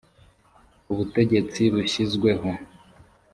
ubutegetsi bushyizweho.